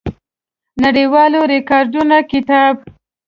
نړیوالو ریکارډونو کتاب